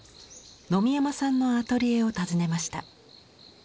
野見山さんのアトリエを訪ねました。